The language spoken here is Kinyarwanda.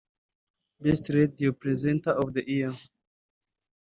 Best Radio Presenter of the year